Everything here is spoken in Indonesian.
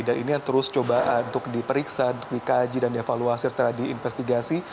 dan ini terus coba untuk diperiksa dikaji dan dievaluasi setelah diinvestigasi